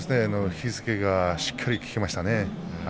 引き付けがしっかり効きましたね。